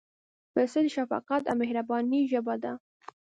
پسه د شفقت او مهربانۍ ژبه ده.